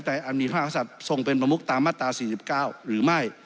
ในอนิหาศัพท์ส่งเป็นประมุขตามมาตร๔๙หรือไม่